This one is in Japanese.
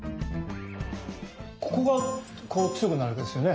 ここが強くなるんですよね。